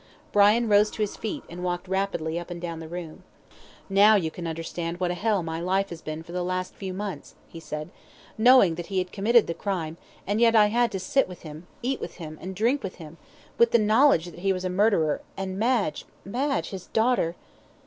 Brian rose to his feet, and walked rapidly up and down the room. "Now you can understand what a hell my life has been for the last few months," he said, "knowing that he had committed the crime; and yet I had to sit with him, eat with him, and drink with him, with the knowledge that he was a murderer, and Madge Madge, his daughter!"